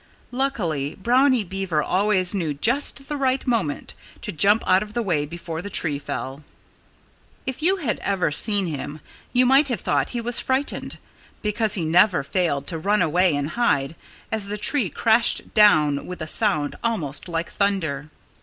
Luckily, Brownie Beaver always knew just the right moment to jump out of the way before the tree fell. If you had ever seen him you might have thought he was frightened, because he never failed to run away and hide as the tree crashed down with a sound almost like thunder.